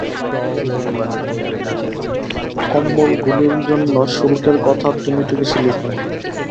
কম্বলগুলির জন্য শুল্কের কথা তুমি তো কিছু লেখনি।